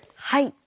はい！